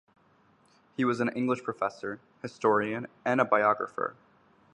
He was an English professor, historian, and a biographer.